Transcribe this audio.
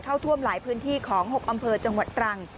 เข้าท่วมหลายพื้นที่ของ๖อำเภอจังหวัดตรัง